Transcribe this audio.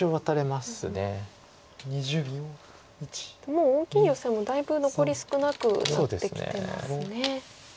もう大きいヨセもだいぶ残り少なくなってきてますね。